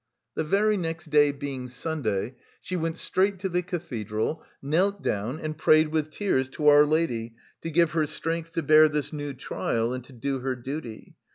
The very next day, being Sunday, she went straight to the Cathedral, knelt down and prayed with tears to Our Lady to give her strength to bear this new trial and to do her duty.